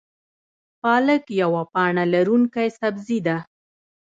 پالک یوه پاڼه لرونکی سبزی ده